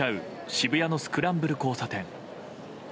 渋谷のスクランブル交差点。